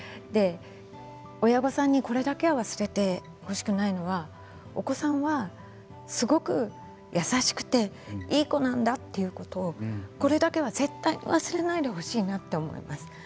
親御さんに、これだけは忘れてほしくないのはお子さんは、すごく優しくていい子なんだということをこれだけは絶対に忘れないでほしいなって思います。